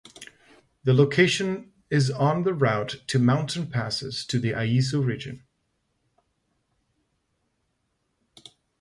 The location is on the route to mountain passes to the Aizu region.